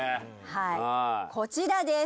はいこちらです